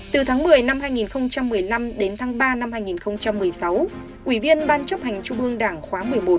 từ tháng một mươi năm hai nghìn một mươi năm đến tháng ba năm hai nghìn một mươi sáu ủy viên ban chấp hành trung ương đảng khóa một mươi một